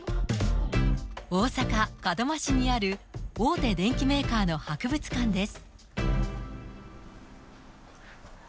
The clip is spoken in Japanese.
大阪・門真市にある大手電機メーカーの博物館です。